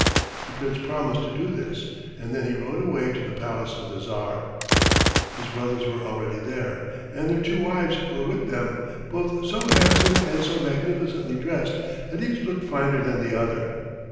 '" The Prince promised to do this and then he rode away to the palace of the Tsar. His brothers were already there, and their two wives were with them, both so handsome and so magnificently dressed that each looked finer than the other.